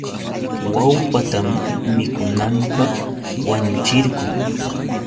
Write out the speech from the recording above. Wallpatam mikunanpaq wañuchirqun.